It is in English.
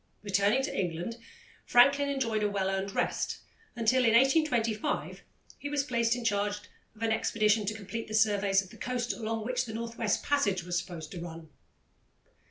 Returning to England, Franklin enjoyed a well earned rest, until, in 1825, he was placed in charge of an expedition to complete the surveys of the coast along which the North West Passage was supposed to run.